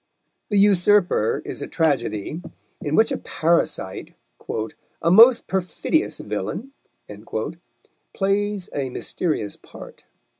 The Usurper is a tragedy, in which a Parasite, "a most perfidious villain," plays a mysterious part.